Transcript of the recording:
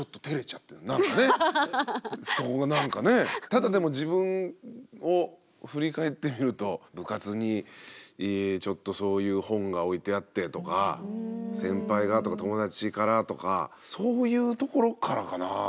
ただでも自分を振り返ってみると部活にちょっとそういう本が置いてあってとか先輩がとか友達からとかそういうところからかな？